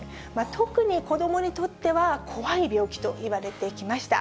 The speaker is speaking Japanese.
特に子どもにとっては怖い病気といわれてきました。